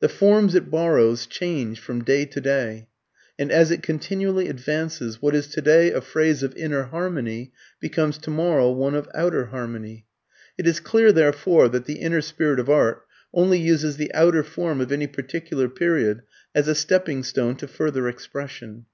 The forms it borrows change from day to day, and, as it continually advances, what is today a phrase of inner harmony becomes tomorrow one of outer harmony. It is clear, therefore, that the inner spirit of art only uses the outer form of any particular period as a stepping stone to further expression.